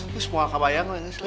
lu semua kakak bayang enggak sih